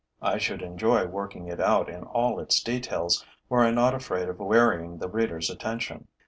I should enjoy working it out in all its details, were I not afraid of wearying the reader's attention.